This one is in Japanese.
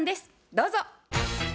どうぞ。